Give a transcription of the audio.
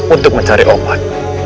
untuk mencari obat